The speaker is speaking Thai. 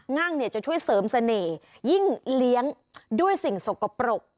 งั่งเนี่ยจะช่วยเสริมเสน่ห์ยิ่งเลี้ยงด้วยสิ่งสกปรก